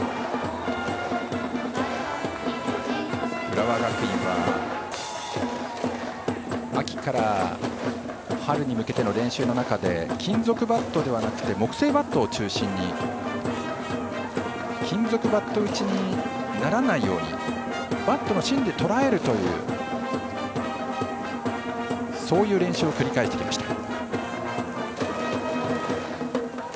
浦和学院は秋から春に向けての練習の中で金属バットではなくて木製バットを中心に金属バット打ちにならないようにバットの芯でとらえるという練習を繰り返してきました。